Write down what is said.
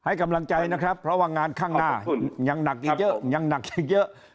ให้กำลังใจนะครับเพราะว่างงานข้างหน้ายังหนักยังเยอะ